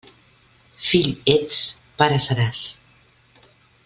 Fill ets, pare seràs.